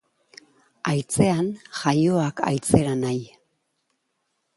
Haitzean jaioak haitzera nahi.